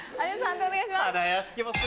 判定お願いします。